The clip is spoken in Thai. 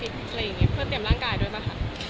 เพื่อเตรียมร่างกายด้วยป่ะคะ